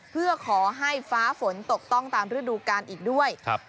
เพื่อขอให้ฟ้าฝนตกต้องตามฤดูกาลอีกด้วย